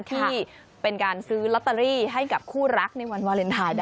ที่เป็นการซื้อลอตเตอรี่ให้กับคู่รักในวันวาเลนไทยได้